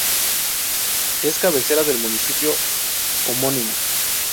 Es cabecera del municipio homónimo.